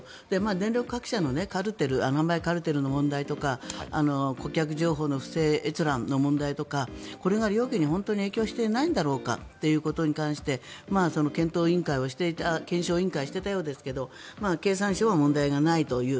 電力各社の販売カルテルの問題とか顧客情報の不正閲覧の問題とかこれが料金に本当に影響してないんだろうかということに関して検証委員会をしていたようですが経産省は問題がないと言う。